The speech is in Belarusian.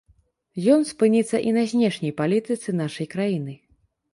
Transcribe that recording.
Ён спыніцца і на знешняй палітыцы нашай краіны.